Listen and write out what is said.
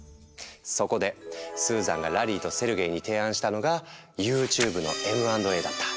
そこでスーザンがラリーとセルゲイに提案したのがＹｏｕＴｕｂｅのＭ＆Ａだった。